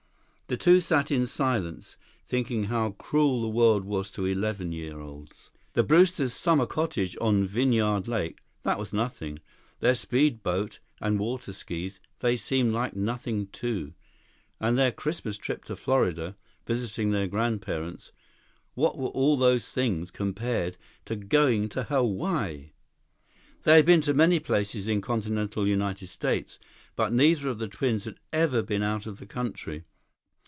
The two sat in silence, thinking how cruel the world was to eleven year olds. The Brewsters' summer cottage on Vineyard Lake—that was nothing. Their speed boat and water skis, they seemed like nothing, too. And their Christmas trip to Florida, visiting their grandparents—what were all those things compared to going to Hawaii? They had been to many places in continental United States, but neither of the twins had ever been out of the country.